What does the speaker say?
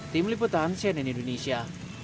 tim liputan cnn indonesia